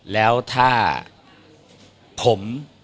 แล้วถ้าผม